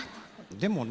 でもね。